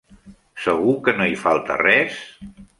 Segur que no hi falta res?